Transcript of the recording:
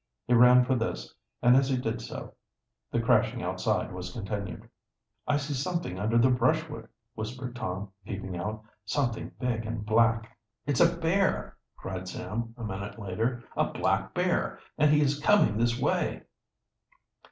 He ran for this, and as he did so the crashing outside was continued. "I see something under the brushwood!" whispered Tom, peeping out. "Something big and black." "It's a bear!" cried Sam, a minute later. "A black bear! And he is coming this way!"